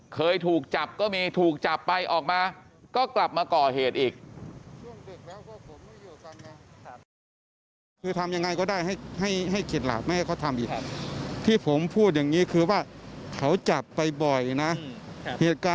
เคยถูกจับก็มีถูกจับไปออกมาก็กลับมาก่อเหตุอีก